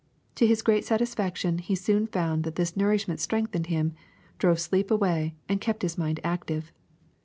To his great satisfaction he soon found that this nourish ment strengthened him, drove sleep away, and kept his mind active.